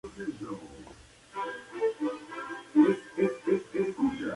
Pueden contener la clase de atributo con el valor "xoxo".